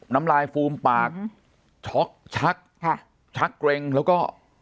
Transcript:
น้ำลายฟูมปากช็อกชักค่ะชักเกร็งแล้วก็